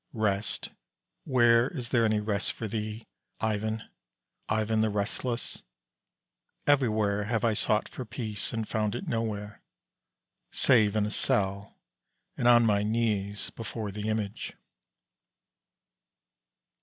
Rest, where is there any rest for thee, Ivan, Ivan the Restless? Everywhere have I sought for peace and found it nowhere, save in a cell, and on my knees, before the Image.